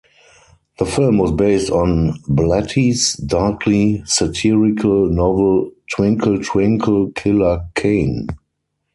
The film was based on Blatty's darkly satirical novel "Twinkle, Twinkle, "Killer" Kane".